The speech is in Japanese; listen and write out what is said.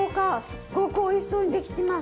すっごくおいしそうにできてます。